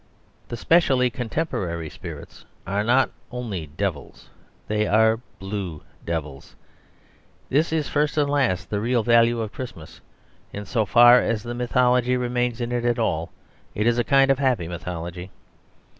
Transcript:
The specially contemporary spirits are not only devils, they are blue devils. This is, first and last, the real value of Christmas; in so far as the mythology remains at all it is a kind of happy mythology.